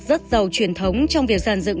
rất giàu truyền thống trong việc sàn dựng